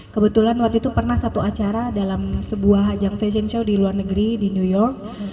kebetulan waktu itu pernah satu acara dalam sebuah ajang fashion show di luar negeri di new york